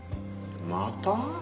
また？